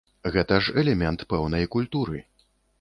Гэта ж элемент пэўнай культуры.